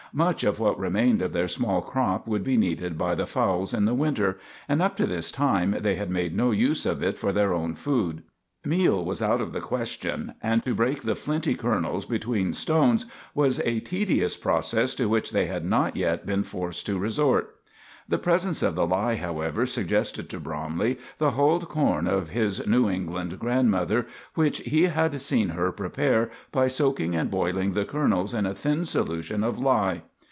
Much of what remained of their small crop would be needed by the fowls in the winter, and up to this time they had made no use of it for their own food. Meal was out of the question, and to break the flinty kernels between stones was a tedious process to which they had not yet been forced to resort. The presence of the lye, however, suggested to Bromley the hulled corn of his New England grandmother, which he had seen her prepare by soaking and boiling the kernels in a thin solution of lye.